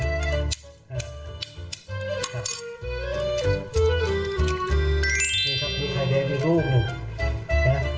นี่ครับมีไข่แดงอีกรูปหนึ่ง